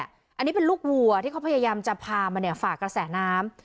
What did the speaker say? อันนี้เป็นลูกวัวที่เขาพยายามจะพามาฝากกระแสน้ำ